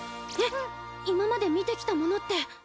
えっ今まで見てきたものって。